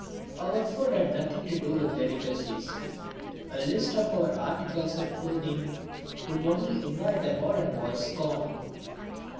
Our food had nothing to do with delicacies. A list of our articles of clothing would only invite the modern boy's scorn.